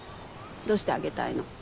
どうしてあげたいの？